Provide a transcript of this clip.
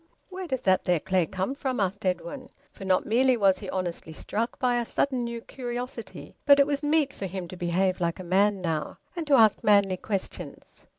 "Where does that there clay come from?" asked Edwin. For not merely was he honestly struck by a sudden new curiosity, but it was meet for him to behave like a man now, and to ask manly questions.